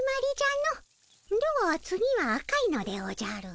では次は赤いのでおじゃる。